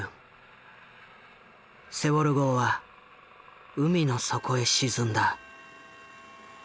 セウォル号は海の底へ沈んだ。